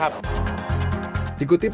kabeh perawatan tiga anak